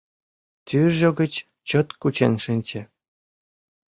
Тӱржӧ гыч чот кучен шинче.